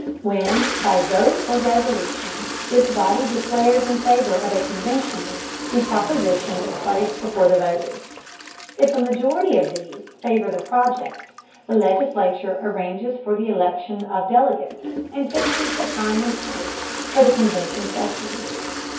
When, by vote or by resolution, this body declares in favor of a convention, the proposition is placed before the voters. If a majority of these favor the project, the legislature arranges for the election of delegates, and fixes the time and place of the convention sessions.